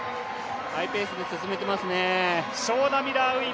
ハイペースで進めていますね。